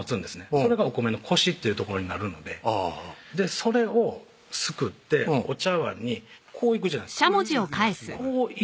それがお米のコシっていうところになるのでそれをすくってお茶碗にこういくじゃないですかいきますいきます